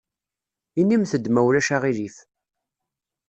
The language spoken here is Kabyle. Inimt-d ma ulac aɣilif.